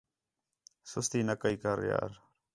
سُستی نہ کَئی کر یار